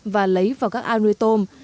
và lấy vào các ao nuôi tôm